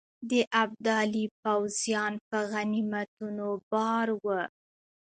د ابدالي پوځیان په غنیمتونو بار وه.